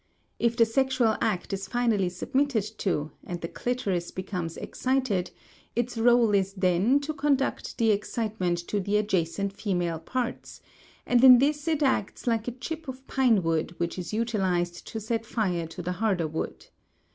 If the sexual act is finally submitted to and the clitoris becomes excited its rôle is then to conduct the excitement to the adjacent female parts, and in this it acts like a chip of pine wood which is utilized to set fire to the harder wood.